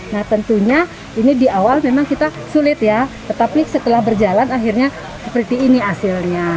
nah tentunya ini di awal memang kita sulit ya tetapi setelah berjalan akhirnya seperti ini hasilnya